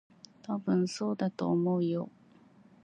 たぶん、そうだと思うよ。